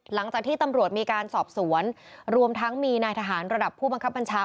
หลังจากที่ตำรวจมีการสอบสวนรวมทั้งมีนายทหารระดับผู้บังคับบัญชา